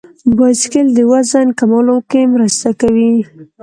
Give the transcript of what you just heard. بایسکل د وزن کمولو کې مرسته کوي.